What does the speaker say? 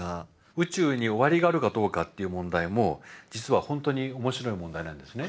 宇宙に終わりがあるかどうかっていう問題も実は本当に面白い問題なんですね。